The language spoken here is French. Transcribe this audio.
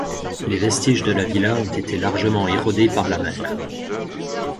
Les vestiges de la villa ont été largement érodés par la mer.